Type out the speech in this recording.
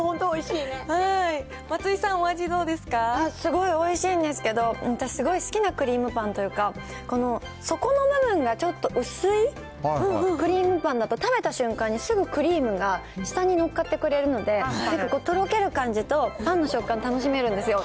松井さん、すごいおいしいんですけど、すごい好きなクリームパンというか、この、底の部分がちょっと薄いクリームパンだと、食べた瞬間にすぐクリームが舌に乗っかってくれるので、結構、とろける感じとパンの食感、楽しめるんですよ。